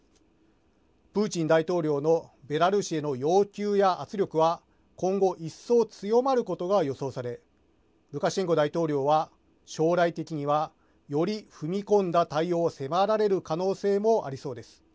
プーチン大統領のベラルーシへの要求や圧力は今後、一層強まることが予想されルカシェンコ大統領は将来的にはより踏み込んだ対応を迫られる可能性もありそうです。